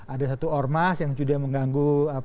ada satu ormas yang sudah mengganggu